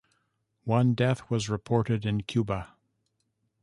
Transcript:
One death was reported in Cuba.